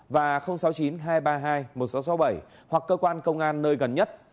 và sáu mươi chín hai trăm ba mươi hai một nghìn sáu trăm sáu mươi bảy hoặc cơ quan công an nơi gần nhất